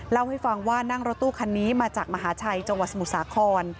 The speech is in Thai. เล่าให้ฟังว่านั่งรถตู้คันนี้มาจากมหาชัยจังหวัดสมุทรสาคร